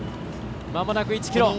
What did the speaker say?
まもなく１ｋｍ。